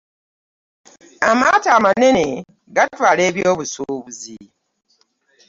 Amaato amanene gatwala ebyobusubuzi.